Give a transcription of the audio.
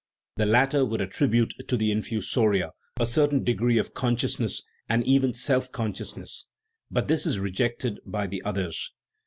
The latter would attribute to the infusoria a certain degree of consciousness, and even self con sciousness; but this is rejected by the others.